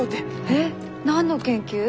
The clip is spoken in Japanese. えっ何の研究？